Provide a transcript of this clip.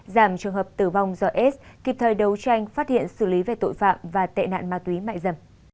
giảm trường hợp tử vong do aids kịp thời đấu tranh phát hiện xử lý về tội phạm và tệ nạn ma túy mại dâm